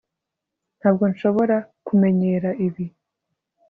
ntabwo nshobora kumenyera ibi